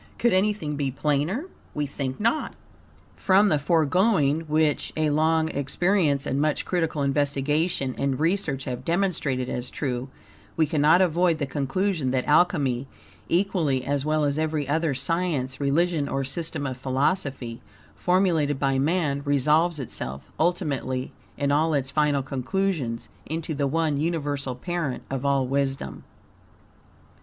Could anything be plainer? We think not. From the foregoing, which a long experience and much critical investigation and research have demonstrated as true, we cannot avoid the conclusion that Alchemy, equally as well as every other science, religion, or system of philosophy formulated by man, resolves itself, ultimately, in all its final conclusions, into the one universal parent of all wisdom.